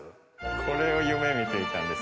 これを夢見ていたんですが。